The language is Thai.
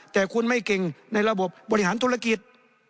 แต่คุณไม่เก่งในระบบบบริหารธุรกิจ